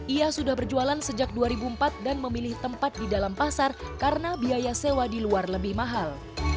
ia sudah berjualan sejak dua ribu empat dan memilih tempat di dalam pasar karena biaya sewa di luar lebih mahal